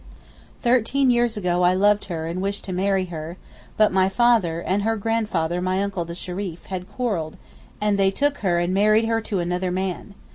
Thirteen years ago I loved her and wished to marry her, but my father, and her grandfather my uncle the Shereef, had quarrelled, and they took her and married her to another man.